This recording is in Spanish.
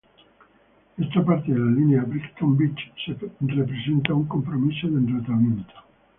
Esta parte de la línea Brighton Beach representa un compromiso de enrutamiento.